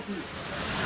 atau tidak mau sakit